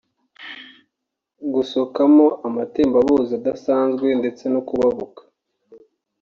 gusokamo amatembabuzi adasanzwe ndetse no kubabuka